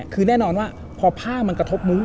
คือแน่นอนว่าพอผ้ามันกระทบมื้อ